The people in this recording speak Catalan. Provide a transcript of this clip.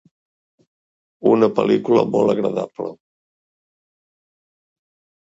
Una pel·lícula molt agradable.